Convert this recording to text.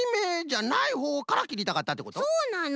そうなの！